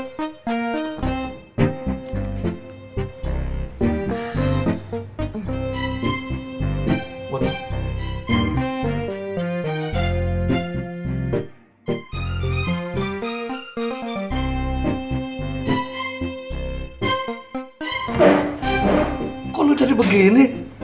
kok lu jadi begini